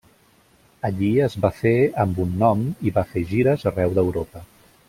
Allí es va fer amb un nom i va fer gires arreu d'Europa.